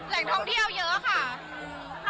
แหล่งท่องเที่ยวเยอะค่ะ